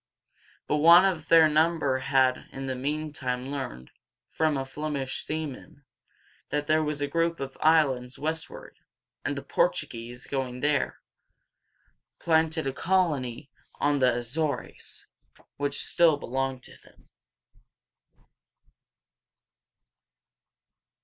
But one of their number had in the meantime learned, from a Flem´ish seaman, that there was a group of islands westward, and the Portuguese, going there, planted a colony on the A zores´, which still belong to them.